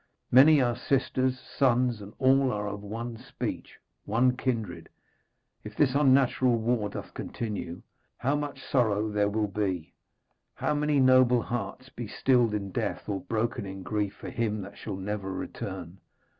Many are sisters' sons, and all are of one speech, one kindred. If this unnatural war doth continue, how much sorrow there will be, how many noble hearts be stilled in death or broken in grief for him that shall never return!